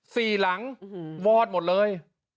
สี่หลังวอดหมดเลย